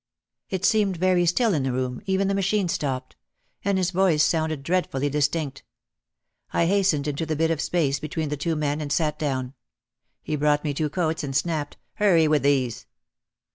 It seemed very still in the room, even the machines stopped. And his voice sounded dreadfully distinct. I hastened into the bit of space be tween the two men and sat down. He brought me two coats and snapped, "Hurry with these!"